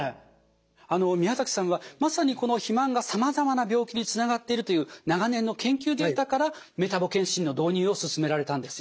あの宮崎さんはまさにこの肥満がさまざまな病気につながっているという長年の研究データからメタボ健診の導入を進められたんですよね。